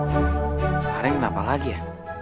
paham kenapa lagi ya